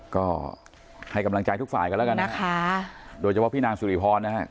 ก็ให้กำลังใจทุกฝ่ายกันแล้วกันนะคะโดยเฉพาะพี่นางสุริพรนะฮะ